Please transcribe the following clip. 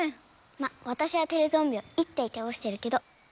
まっわたしはテレゾンビを１体たおしてるけど。